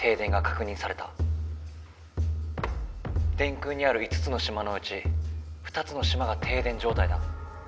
電空にある５つの島のうち２つの島が停電じょうたいだ」。